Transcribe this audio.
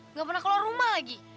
nggak pernah keluar rumah lagi